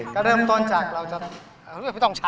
ก็เริ่มต้นจากเราจะ